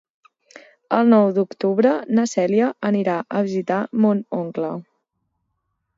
El nou d'octubre na Cèlia anirà a visitar mon oncle.